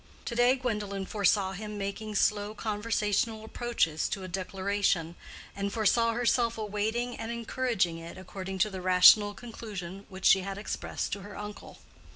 To day Gwendolen foresaw him making slow conversational approaches to a declaration, and foresaw herself awaiting and encouraging it according to the rational conclusion which she had expressed to her uncle.